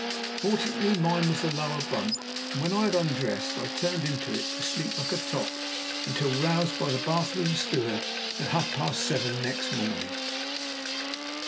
Fortunately mine was the lower bunk, and, when I had undressed, I turned into it to sleep like a top until roused by the bath room steward at half past seven next morning.